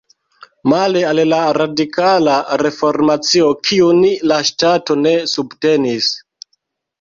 Male al la Radikala Reformacio, kiun la ŝtato ne subtenis.